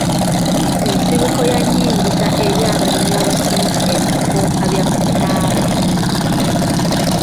Nsibuko ya nyingiza eri abalimi abatunda ebikooka bya taaba.